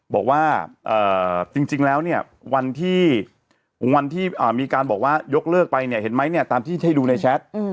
บอกว่าจริงแล้วเนี่ยวันที่วันที่มีการบอกว่ายกเลิกไปเนี่ยเห็นไหมเนี่ยตามที่ให้ดูในแชท